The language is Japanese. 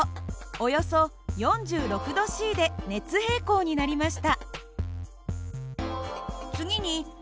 およそ４０℃で熱平衡になりました。